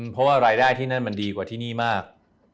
เพราะว่ารายได้ที่นั่นมันดีกว่าที่นี่มาก